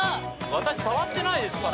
私触ってないですから。